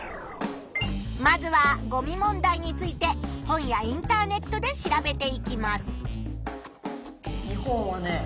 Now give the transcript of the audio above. まずはゴミ問題について本やインターネットで調べていきます。